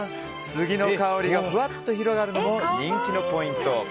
杉の香りがふわっと広がるのも人気のポイント。